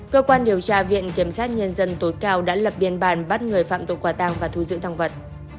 cơ quan điều tra viện kiểm sát nhân dân tối cao đã lập biên bản bắt người phạm tội quả tàng và thu giữ tăng vật